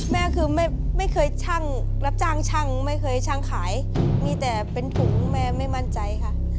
แม่คือไม่เคยช่างรับจ้างช่างไม่เคยช่างขายมีแต่เป็นถุงแม่ไม่มั่นใจค่ะ